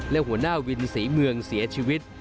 และหัวหน้าวินศรีเมืองเสียชีวิต